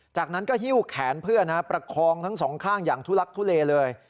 จากนั้นก็หิ้วแขนเพื่อนประคองทั้งสองข้างอย่างทุลักทุเลเลย